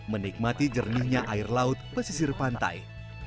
menikmati jernihnya air laut pesisir pantai